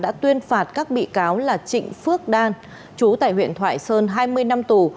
đã tuyên phạt các bị cáo là trịnh phước đan chú tại huyện thoại sơn hai mươi năm tù